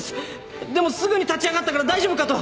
でもすぐに立ち上がったから大丈夫かと。